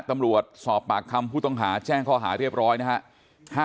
ตำรวจสอบปากคำผู้ต้องหาแจ้งข้อหาเรียบร้อยนะฮะ